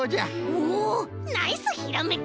おおナイスひらめき！